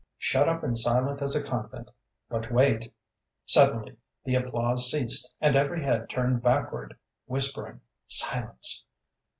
"Shut up and silent as a convent; but wait. Suddenly the applause ceased, and every head turned backward, whispering: 'Silence!'